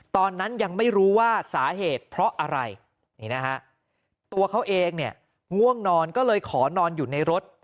ตอนนั้นยังไม่รู้ว่าสาเหตุเพราะอะไรนี่นะฮะตัวเขาเองเนี่ยง่วงนอนก็เลยขอนอนอยู่ในรถ